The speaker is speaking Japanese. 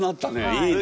いいね。